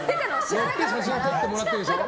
写真撮ってもらってるんでしょ。